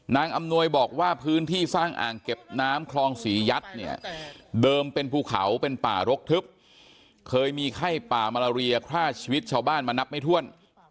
อำนวยบอกว่าพื้นที่สร้างอ่างเก็บน้ำคลองศรียัดเนี่ยเดิมเป็นภูเขาเป็นป่ารกทึบเคยมีไข้ป่ามาลาเรียฆ่าชีวิตชาวบ้านมานับไม่ถ้วน